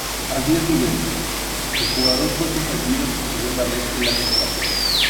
Al día siguiente, el jugador fue suspendido por segunda vez en la temporada.